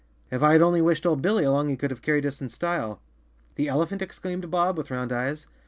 If I had only wished old Billy along he could have carried us in style." "The elephant?" exclaimed Bob, with round eyes.